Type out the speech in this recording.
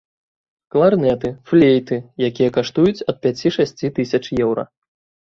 Кларнеты, флейты, якія каштуюць ад пяці-шасці тысяч еўра.